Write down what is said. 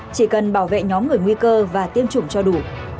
chỉ cần bảo vệ nhóm người nguy cơ và tiêm chủng cho đủ